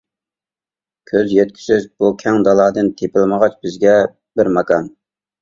كۆز يەتكۈسىز بۇ كەڭ دالادىن تېپىلمىغاچ بىزگە بىر ماكان.